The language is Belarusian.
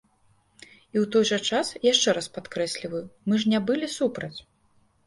І ў той жа час, яшчэ раз падкрэсліваю, мы ж не былі супраць.